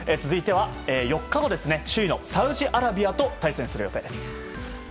続いては、４日に首位のサウジアラビアと対戦する予定です。